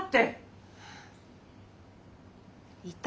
いた？